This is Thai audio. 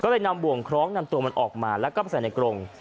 ก็เลยนำบ่วงคล้องนำตัวมันออกมาแล้วก็ไปใส่ในกรง